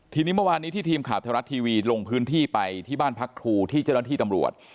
ทีนี้เมื่อวานนี้ที่ทีมข่าวไทยรัฐทีวีลงพื้นที่ไปที่บ้านพักครูที่เจ้าหน้าที่ตำรวจ